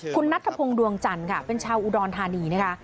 คุณนัทธพงศ์ดวงจันทร์ค่ะเป็นชาวอุดรธานีนะคะ